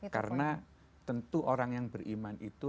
karena tentu orang yang beriman itu